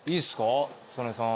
曽根さん。